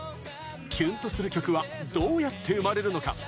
キュンとする曲はどうやって生まれるのか？